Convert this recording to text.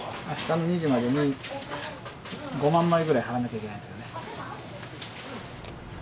あしたの２時までに５万枚ぐらい貼らなきゃいけないんですよね。